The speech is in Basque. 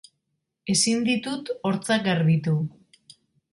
Ezin ditut hortzak garbitu.